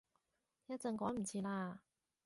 一陣趕唔切喇